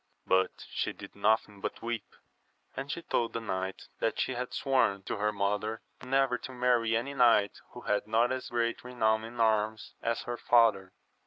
But she did nothing but weep, and she told the knight that she had sworn to her mother never to marry any knight who had not as great renown in arms as her father.